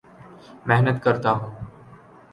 محنت کرتا ہوں